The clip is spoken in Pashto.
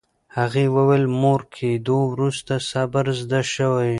هغې وویل، مور کېدو وروسته صبر زده شوی.